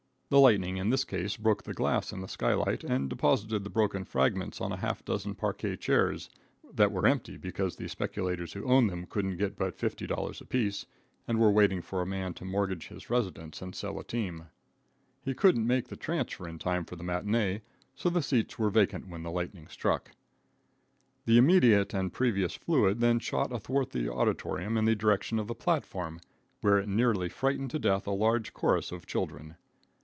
The lightning in this case, broke the glass in the skylight and deposited the broken fragments on a half dozen parquette chairs, that were empty because the speculators who owned them couldn't get but $50 apiece, and were waiting for a man to mortgage his residence and sell a team. He couldn't make the transfer in time for the matinee, so the seats were vacant when the lightning struck. The immediate and previous fluid then shot athwart the auditorium in the direction of the platform, where it nearly frightened to death a large chorus of children.